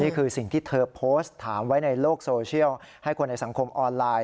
นี่คือสิ่งที่เธอโพสต์ถามไว้ในโลกโซเชียลให้คนในสังคมออนไลน์